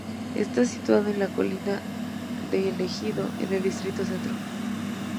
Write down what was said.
Está situado en la colina de El Ejido, en el distrito Centro.